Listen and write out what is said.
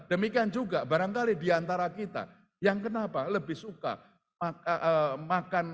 demikian juga barangkali diantara kita yang kenapa lebih suka makan